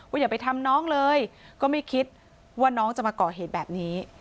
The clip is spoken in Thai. อย่าไปทำน้องเลยก็ไม่คิดว่าน้องจะมาก่อเหตุแบบนี้